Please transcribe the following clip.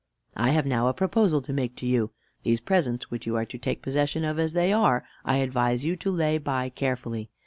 "I have now a proposal to make to you. These presents, which you are to take possession of as they are, I advise you to lay by carefully.